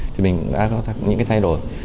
thì mình đã có những cái thay đổi